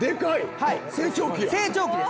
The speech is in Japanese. はい成長期です。